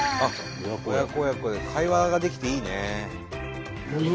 親子親子で会話ができていいね。